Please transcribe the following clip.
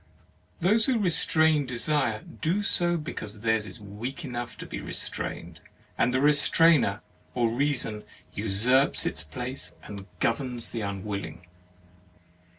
Those who restrain desire, do so because theirs is weak enough to be restrained; and the restrainer or reason usurps its place and governs the unwilling.